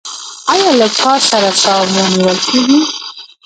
ایا لږ کار سره ساه مو نیول کیږي؟